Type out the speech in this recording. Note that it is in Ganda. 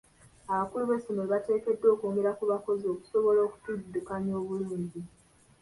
Abakulu b'essomero bateekeddwa okwongera ku bakozi okusobola okuddukanya obulungi.